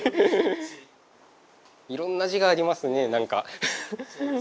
いろんな字がありますね何か。